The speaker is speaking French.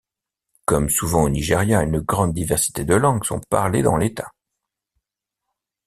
Comme souvent au Nigeria, une grande diversité de langues sont parlées dans l'État.